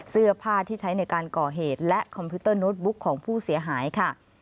เสื้อผ้าที่ใช้ในการก่อเหตุและคอมพิวเตอร์โน้ตบุ๊กของผู้เสียหายค่ะ